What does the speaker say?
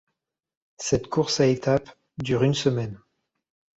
Cette course à étapes dure une semaine.